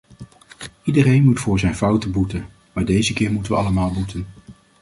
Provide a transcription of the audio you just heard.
Iedereen moet voor zijn fouten boeten, maar deze keer moeten we allemaal boeten.